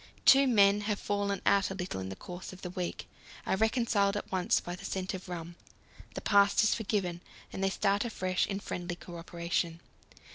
Two men who have fallen out a little in the course of the week are reconciled at once by the scent of rum; the past is forgotten, and they start afresh in friendly co operation.